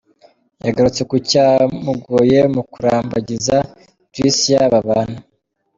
Yagarutse ku cyamugoye mu kurambagiza Tricia babana.